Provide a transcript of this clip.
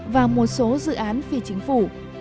và một số dự án phi chính phủ